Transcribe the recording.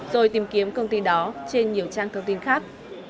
rồi tìm kiếm công ty đó trên nhiều trang thông tin khác